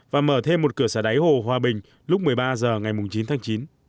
và mở thêm một cửa xả đáy hồ hòa bình lúc một mươi ba giờ ngày mùng chín tháng chín